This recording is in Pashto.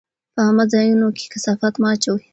په عامه ځایونو کې کثافات مه اچوئ.